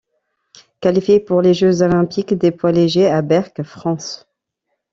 Qualifié pour les Jeux Olympiques des poids léger à Berck, France.